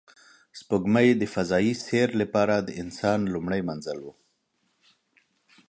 سپوږمۍ د فضایي سیر لپاره د انسان لومړی منزل و